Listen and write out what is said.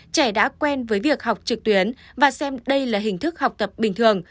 trẻ đã quen với việc học trực tuyến và xem đây là hình thức học tập bình thường